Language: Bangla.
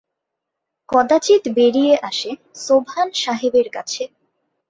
কদাচিৎ বেড়িয়ে আসে সোবহান সাহেবের কাছে।